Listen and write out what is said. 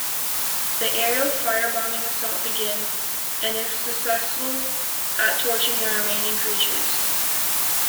The aerial firebombing assault begins and is successful at torching the remaining creatures.